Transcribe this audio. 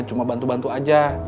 cuma bantu bantu aja